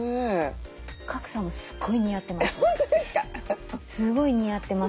賀来さんもすごい似合ってます。